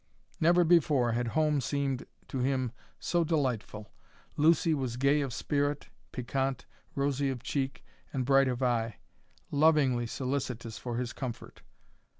Never before had home seemed to him so delightful. Lucy was gay of spirit, piquant, rosy of cheek and bright of eye, lovingly solicitous for his comfort.